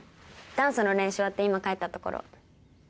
ダンスの練習終わって今帰ったところ。